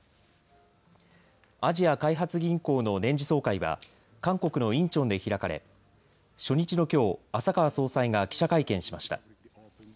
アジア開発銀行の年次総会は韓国のインチョンで開かれ初日のきょう浅川総裁が記者会見しました。